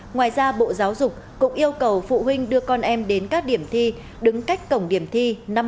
ngoài ra bộ giáo dục cũng yêu cầu phụ huynh đưa con em đến các điểm thi đứng cách cổng điểm thi